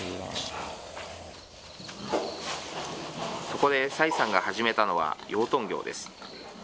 そこで蔡さんが始めたのは養豚業です。